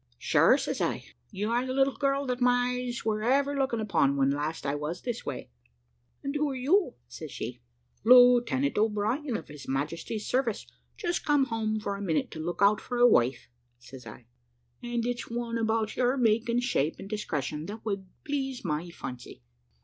"`Sure,' says I, `you are the little girl that my eyes were ever looking upon when last I was this way.' "`And who are you?' says she. "`Lieutenant O'Brien, of His Majesty's service, just come home for a minute to look out for a wife,' says I; `and it's one about your make, and shape, and discretion, that would please my fancy.'